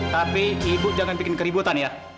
tapi ibu jangan bikin keributan ya